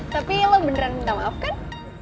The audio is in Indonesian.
tapi lo beneran minta maaf kan